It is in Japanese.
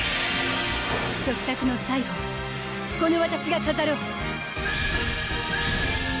食卓の最後をこのわたしが飾ろう！